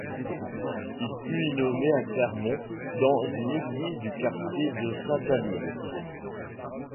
Il fut inhumé à Clermont dans une église du quartier de Saint-Alyre.